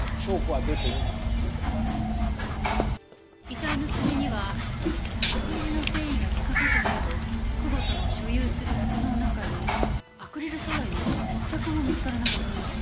遺体の爪にはアクリルの繊維が引っかかってたけど久保田の所有する服の中にアクリル素材の服は一着も見つからなかったわ。